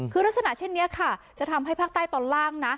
คือลักษณะเช่นนี้ค่ะจะทำให้ภาคใต้ตอนล่างนะ